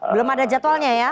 belum ada jadwalnya ya